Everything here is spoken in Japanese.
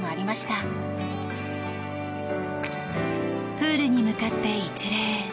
プールに向かって一礼。